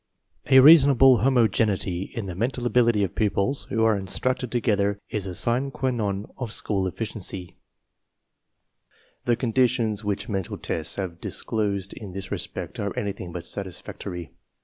(A reasonable homogeneity in J the mental ability of pupils who are instructed together . is a sine qua non of school efficiency^ The conditions which mental tests have disclosed in this respect are anything but satisfactory.